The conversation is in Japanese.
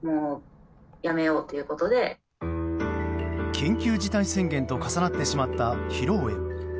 緊急事態宣言と重なってしまった披露宴。